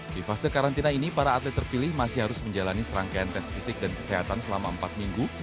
di fase karantina ini para atlet terpilih masih harus menjalani serangkaian tes fisik dan kesehatan selama empat minggu